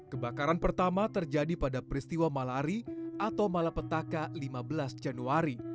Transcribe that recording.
kebakaran pertama terjadi pada peristiwa malari atau malapetaka lima belas januari